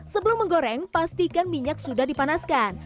sebelum menggoreng pastikan minyak sudah dipanaskan